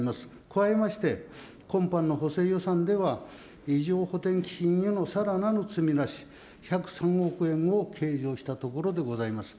加えまして、今般の補正予算では、異常補填金へのさらなる積み増し、１０３億円を計上したところでございます。